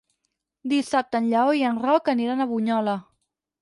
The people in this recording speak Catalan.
Dissabte en Lleó i en Roc aniran a Bunyola.